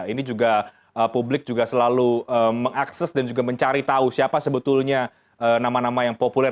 ini juga publik juga selalu mengakses dan juga mencari tahu siapa sebetulnya nama nama yang populer